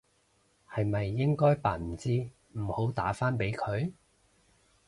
係咪應該扮唔知唔好打返俾佢？